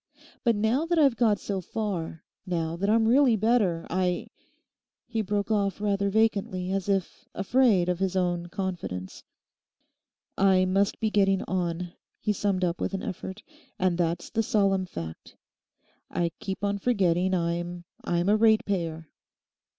But now that I've got so far, now that I'm really better, I—' He broke off rather vacantly, as if afraid of his own confidence. 'I must be getting on,' he summed up with an effort, 'and that's the solemn fact. I keep on forgetting I'm—I'm a ratepayer!